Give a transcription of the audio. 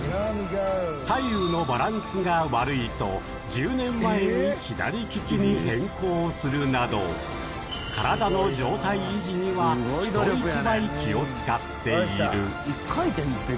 左右のバランスが悪いと、１０年前に左利きに変更するなど体の状態維持には人一倍気を使っている。